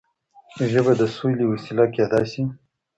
ژبه د سولې وسيله کيدای شي.